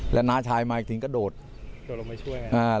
แล้วน้าชายมาอีกถึงกระโดดโดดลงไปช่วย